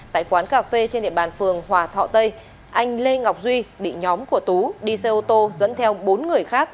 tại quán cà phê trên địa bàn phường hòa thọ tây anh lê ngọc duy bị nhóm của tú đi xe ô tô dẫn theo bốn người khác